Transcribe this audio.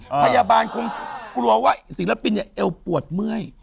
พยาบาลคงกลัวว่าศิลปินเนี่ยเอวปวดเมื่อย